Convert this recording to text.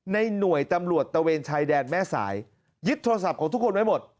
ในหน่วยตำรวจตะเวนชายแดนแม่สายยึดโทรศัพท์ของทุกคนไว้หมด